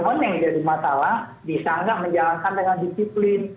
cuman yang jadi masalah bisa enggak menjalankan dengan disiplin